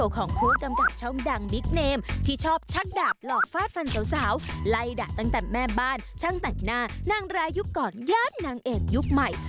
ก็คือฟันสาวไล่ดะตั้งแต่แม่บ้านช่างแต่งหน้านางรายยุคก่อนญาตินางเอกยุคใหม่